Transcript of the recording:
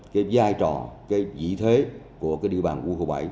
cái giai trò cái vị thế của cái địa bàn quân khu bảy